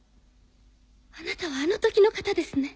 あなたはあの時の方ですね？